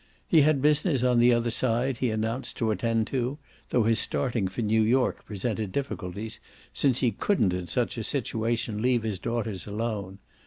He had business on the other side, he announced, to attend to, though his starting for New York presented difficulties, since he couldn't in such a situation leave his daughters alone.